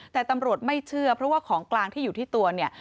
แต่ตำรวจไม่เชื่อเพราะว่าของกลางที่อยู่ที่ตัวเนี่ย